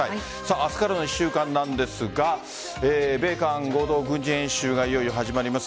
明日からの１週間なんですが米韓合同軍事演習がいよいよ始まります。